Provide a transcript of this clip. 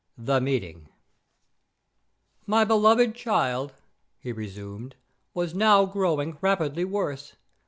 The Meeting "My beloved child," he resumed, "was now growing rapidly worse.